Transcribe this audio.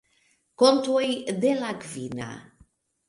Kontoj de la Kvina.